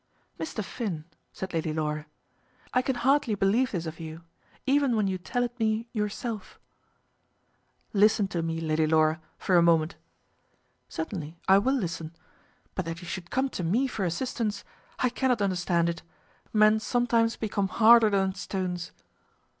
"Mr. Finn," said Lady Laura, "I can hardly believe this of you, even when you tell it me yourself." "Listen to me, Lady Laura, for a moment." "Certainly, I will listen. But that you should come to me for assistance! I cannot understand it. Men sometimes become harder than stones."